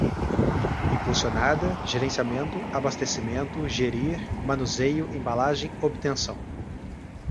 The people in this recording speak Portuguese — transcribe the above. impulsionada, gerenciamento, abastecimento, gerir, manuseio, embalagem, obtenção